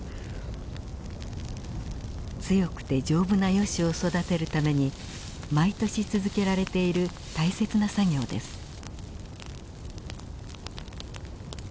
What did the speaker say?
強くて丈夫なヨシを育てるために毎年続けられている大切な作業です。